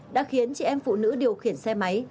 đã khiến chị em phụ nữ điều khiển xe máy